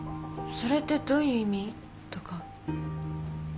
「それってどういう意味？」とか聞かないの？